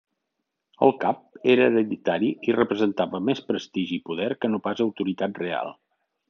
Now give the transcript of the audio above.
El cap era hereditari i representava més prestigi i poder que no pas autoritat real.